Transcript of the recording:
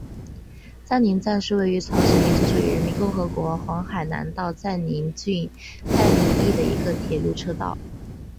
载宁站是位于朝鲜民主主义人民共和国黄海南道载宁郡载宁邑的一个铁路车站。